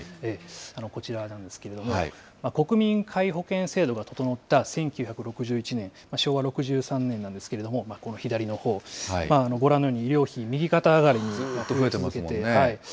こちらなんですけれども、国民皆保険制度が整った１９６１年、昭和６３年なんですけれども、この左のほう、ご覧のように医療費、右肩上がりにずっと上がり続けているんです。